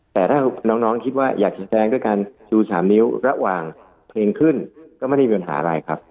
แต่ถ้าน้องคิดว่าอยากจะแสดงด้วยการชู๓นิ้วระหว่างเพลงขึ้นก็ไม่ได้มีปัญหาอะไรครับ